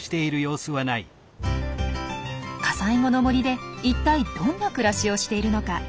火災後の森で一体どんな暮らしをしているのか？